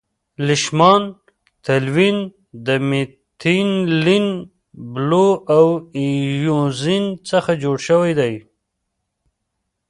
لیشمان تلوین د میتیلین بلو او اییوزین څخه جوړ شوی دی.